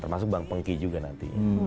termasuk bang pengki juga nanti